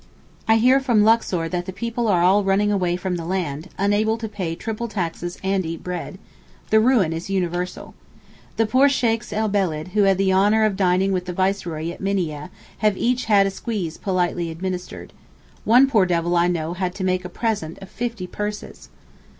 I hear from Luxor that the people are all running away from the land, unable to pay triple taxes and eat bread: the ruin is universal. The poor Sheykhs el Beled, who had the honour of dining with the Viceroy at Minieh have each had a squeeze politely administered. One poor devil I know had to 'make a present' of 50 purses.